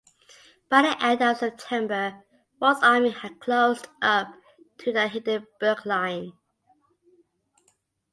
By the end of September Fourth Army had closed up to the Hindenburg Line.